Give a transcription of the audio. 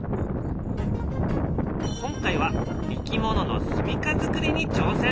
今回はいきもののすみかづくりに挑戦。